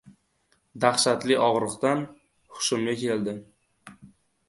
Dahshatli og‘riqdan hushimga keldim.